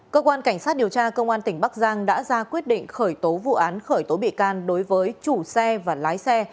cơ quan cảnh sát điều tra công an tỉnh bắc giang đã ra quyết định khởi tố vụ án khởi tố bị can đối với chủ xe và lái xe